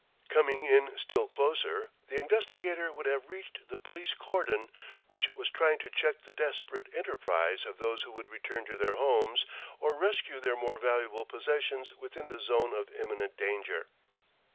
Coming in still closer, the investigator would have reached the police cordon, which was trying to check the desperate enterprise of those who would return to their homes or rescue their more valuable possessions within the 'zone of imminent danger.